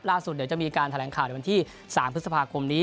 ล่าสุดเดี๋ยวจะมีการแถลงข่าวอยู่บนที่๓พฤษภาคมนี้